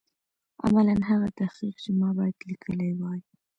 عملاً هغه تحقیق چې ما باید لیکلی وای.